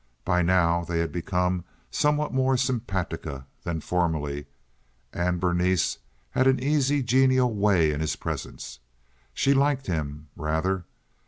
By now they had become somewhat more sympatica than formerly, and Berenice had an easy, genial way in his presence. She liked him, rather.